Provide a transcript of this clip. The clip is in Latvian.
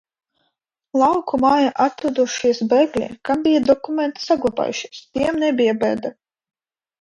Lauku mājā atrodošies bēgļi, kam bija dokumenti saglabājušies, tiem nebija bēda.